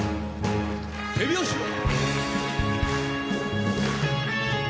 手拍子を！